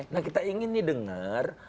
nah kita ingin nih dengar